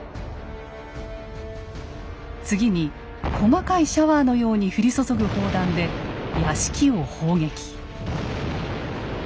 次に細かいシャワーのように降り注ぐ砲弾で屋敷を砲撃。